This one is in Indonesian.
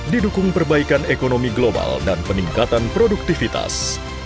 didukung perbaikan ekonomi global dan peningkatan produktivitas